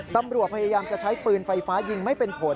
ตำรวจพยายามจะใช้ปืนไฟฟ้ายิงไม่เป็นผล